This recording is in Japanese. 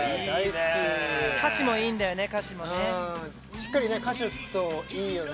しっかり歌詞を聴くといいよね。